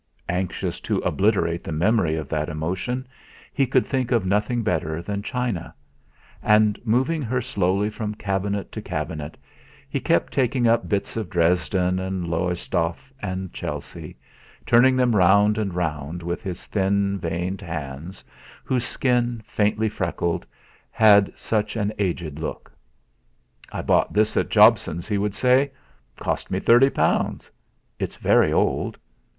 Anxious to obliterate the memory of that emotion, he could think of nothing better than china; and moving with her slowly from cabinet to cabinet, he kept taking up bits of Dresden and Lowestoft and Chelsea, turning them round and round with his thin, veined hands, whose skin, faintly freckled, had such an aged look. "I bought this at Jobson's," he would say; "cost me thirty pounds. It's very old.